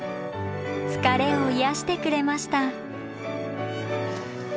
疲れを癒やしてくれました。